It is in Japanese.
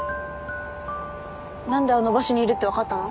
何であの場所にいるって分かったの？